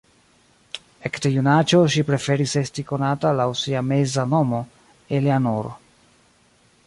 Ekde junaĝo, ŝi preferis esti konata laŭ sia meza nomo, Eleanor.